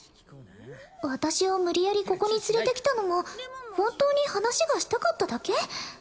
私を無理やりここに連れてきたのも本当に話がしたかっただけ？